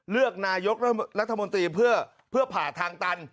เลือกนายกรัฐมนตรีเพื่อผ่าทางตัน